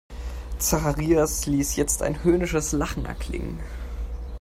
Zacharias ließ jetzt ein höhnisches Lachen erklingen.